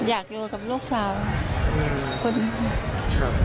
อยากอยู่กับลูกสาวค่ะ